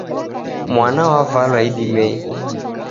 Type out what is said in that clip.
Mwana wavalwa idimei.